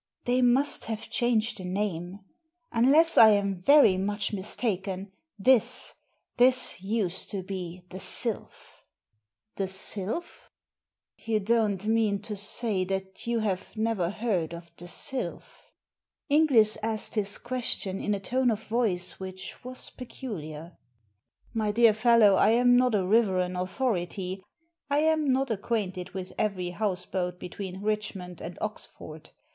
"They must have changed the name. Unless I am very much mistaken this — this used to be the Sylphr ''The Sylph?*' 264 Digili ized by Google THE HOUSEBOAT 265 " You don't mean to say that you have never heard of the^Sy^A?" Inglis asked this question in a tone of voice which was peculiar. "My dear fellow, I'm not a riverain authority. I am not acquainted with every houseboat between Richmond and Oxford.